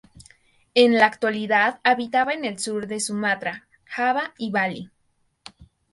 En la actualidad habita en el sur de Sumatra, Java y Bali.